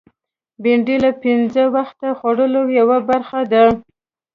بېنډۍ له پینځه وخته خوړو کې یوه برخه ده